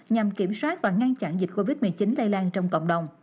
nhằm kiểm soát và ngăn chặn dịch covid một mươi chín lây lan trong cộng đồng